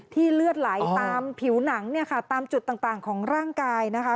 เลือดไหลตามผิวหนังเนี่ยค่ะตามจุดต่างของร่างกายนะคะ